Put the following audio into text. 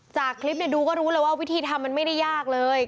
จากคลิปดูก็รู้เลยว่าวิธีทำมันไม่ได้ยากเลย